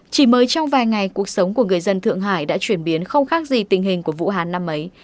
chỉ mới trong vài ngày cuộc sống của người dân thượng hải đã chuyển biến không khác gì tình hình của vũ hán năm ấy